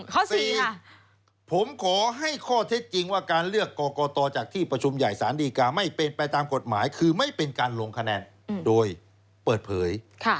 ๔ผมขอให้ข้อเท็จจริงว่าการเลือกกรกตจากที่ประชุมใหญ่สารดีกาไม่เป็นไปตามกฎหมายคือไม่เป็นการลงคะแนนโดยเปิดเผย